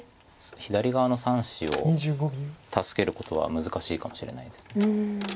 左側の３子を助けることは難しいかもしれないです。